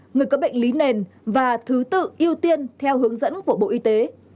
người có bệnh lý nền và thứ tự ưu tiên theo hướng dẫn của bộ y tế